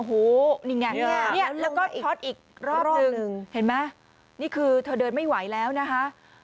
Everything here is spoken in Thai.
โอ้โหนี่ไงแล้วก็ช็อตอีกรอบหนึ่งเห็นไหมนี่คือเธอเดินไม่ไหวแล้วนะคะ